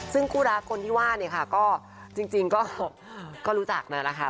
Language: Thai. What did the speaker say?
ซึ่งคู่รักคนที่ว่าเนี่ยค่ะก็จริงก็รู้จักนั่นแหละค่ะ